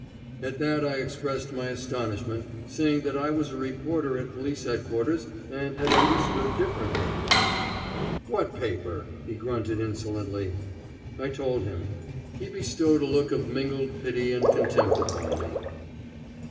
At that I expressed my astonishment, saying that I was a reporter at Police Headquarters and had understood differently. "What paper?" he grunted insolently. I told him. He bestowed a look of mingled pity and contempt upon me.